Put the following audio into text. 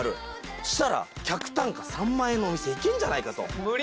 そしたら客単価３万円のお店行けんじゃないかと。